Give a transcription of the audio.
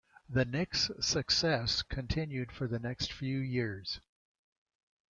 The Knicks' success continued for the next few years.